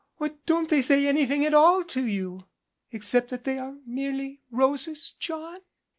Or don't they say any thing to you at all except that they are merely roses, John?"